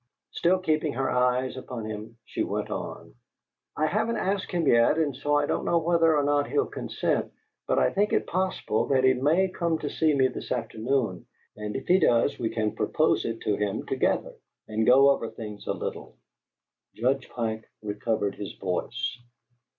Still keeping her eyes upon him, she went on: "I haven't asked him yet, and so I don't know whether or not he'll consent, but I think it possible that he may come to see me this afternoon, and if he does we can propose it to him together and go over things a little." Judge Pike recovered his voice.